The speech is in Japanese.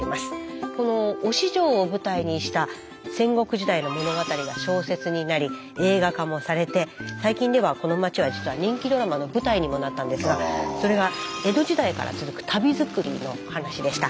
この忍城を舞台にした戦国時代の物語が小説になり映画化もされて最近ではこの町は実は人気ドラマの舞台にもなったんですがそれが江戸時代から続く足袋作りの話でした。